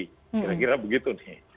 kira kira begitu nih